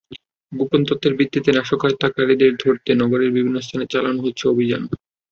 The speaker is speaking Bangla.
গোপন তথ্যের ভিত্তিতে নাশকতাকারীদের ধরতে নগরের বিভিন্ন স্থানে চালানো হচ্ছে অভিযান।